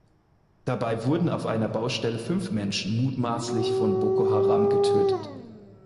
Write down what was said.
Dabei wurden auf einer Baustelle fünf Menschen mutmaßlich von Boko Haram getötet.